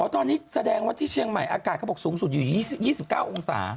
ตอนนี้แสดงว่าที่เชียงใหม่อากาศเขาบอกสูงสุดอยู่๒๙องศา